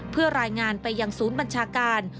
เพื่อรายงานไปยังศูนย์บัญชาการ